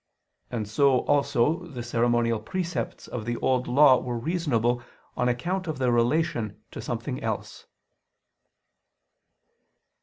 And so also the ceremonial precepts of the Old Law were reasonable on account of their relation to something else.